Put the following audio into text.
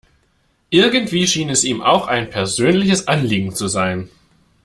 Irgendwie schien es ihm auch ein persönliches Anliegen zu sein.